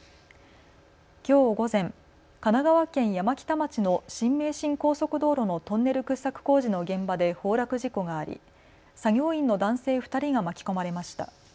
きょう午前、神奈川県山北町の新名神高速道路のトンネル掘削工事の現場で崩落事故があり作業員の男性２人が巻き込まれました。